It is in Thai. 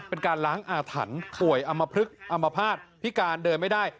เป็นการล้างอาถรรพ์ป่วยอำมพลึกอัมพาตพิการเดินไม่ได้